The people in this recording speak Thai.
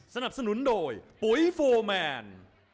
สนับสนุนโดยปุ๋ยโฟร์แมน